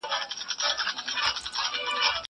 زه پرون چپنه پاکه کړه!!